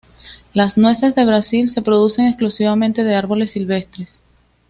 Las nueces de Brasil se producen exclusivamente de árboles silvestres.